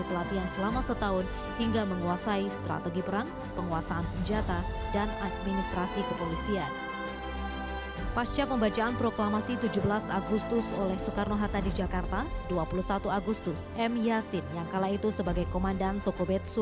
padahal kita punya kawasan yang luas